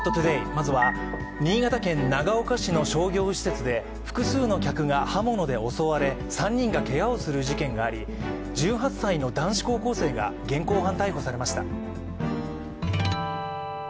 まずは、新潟県長岡市の商業施設で複数の客が刃物で襲われ３人がけがをする事件があり、１８歳の男子高校生が現行犯逮捕されました。